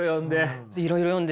いろいろ読んで。